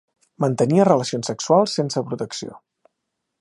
Mantenia relacions sexuals sense protecció.